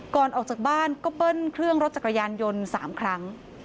ก่อนออกจากบ้านก็เบิ้ลเครื่องรถจักรยานยนต์๓ครั้ง